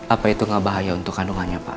apa itu nggak bahaya untuk kandungannya pak